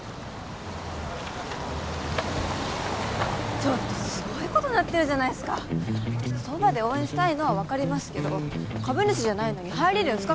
ちょっとすごいことなってるじゃないすかそばで応援したいのは分かりますけど株主じゃないのに入れるんすか？